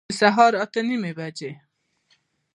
د سهار اته نیمي بجي